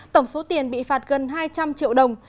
tổng số tiền bị phạt gần hai trăm linh triệu đồng